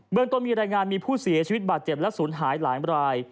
เมืองต้นมีรายงานมีผู้เสียชีวิตบาดเจ็บและศูนย์หายหลายราย